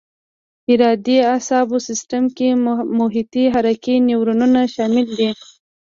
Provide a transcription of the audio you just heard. ارادي اعصابو سیستم کې محیطي حرکي نیورونونه شامل دي.